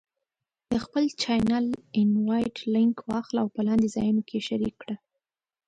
د خپل چینل Invite Link واخله او په لاندې ځایونو کې یې شریک کړه: